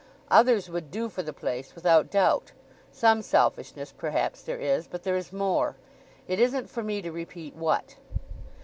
Others would do for the place without doubt. Some selfishness perhaps there is, but there is more; it isn't for me to repeat what.